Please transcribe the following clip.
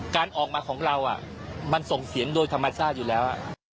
การออกมาของเรามันส่งเสียงโดยธรรมชาติอยู่แล้ว